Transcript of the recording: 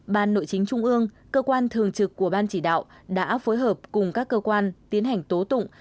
ban nội chính trung ương cơ quan thường trực của ban chỉ đạo đã phối hợp cùng các cơ quan tiến hành tố tụng